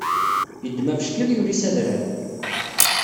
Yeddem abeckiḍ yuli s adrar!